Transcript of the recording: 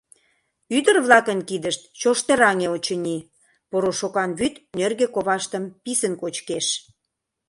Ӱдыр-влакын кидышт чоштыраҥе, очыни, порошокан вӱд нӧргӧ коваштым писын кочкеш.